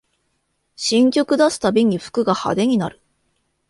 新曲出すたびに服が派手になる